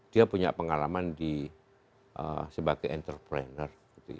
dia punya pengalaman sebagai entrepreneur